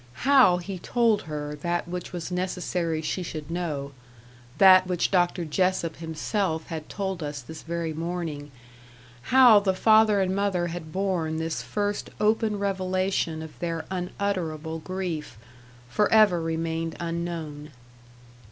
How he told her that which was necessary she should know that which Dr. Jessop himself had told us this very morning how the father and mother had borne this first open revelation of their unutterable grief for ever remained unknown.